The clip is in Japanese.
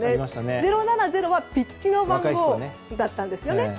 ０７０はピッチの番号だったんです。